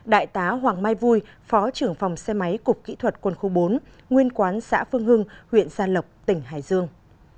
hai đại tá hoàng mai vui phó trưởng phòng xe máy cục kỹ thuật quân khu bốn nguyên quán xã phương hưng huyện gia lộc tỉnh hải dương